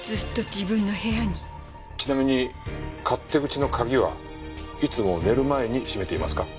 ちなみに勝手口の鍵はいつも寝る前に閉めていますか？